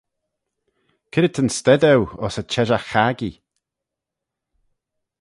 C'red ta'n stayd eu ayns yn çheshaght-chaggee?